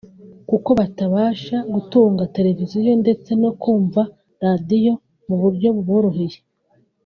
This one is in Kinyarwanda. kuko batabasha gutunga televiziyo ndetse no kumva radio mu buryo buboroheye